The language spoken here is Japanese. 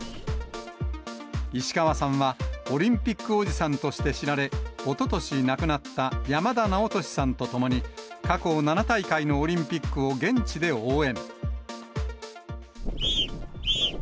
石川さんは、オリンピックおじさんとして知られ、おととし亡くなった山田直稔さんと共に、過去７大会のオリンピックを現地で応援。